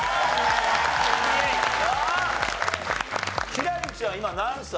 輝星ちゃん今何歳？